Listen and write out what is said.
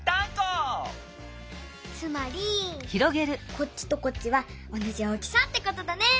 つまりこっちとこっちはおなじ大きさってことだね！